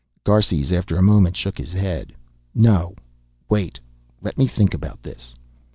Garces, after a moment, shook his head. "No, wait. Let me think about this."